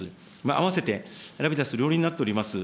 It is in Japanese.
併せてラピダス両輪になっております